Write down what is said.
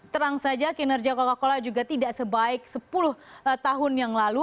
terang saja kinerja coca cola juga tidak sebaik sepuluh tahun yang lalu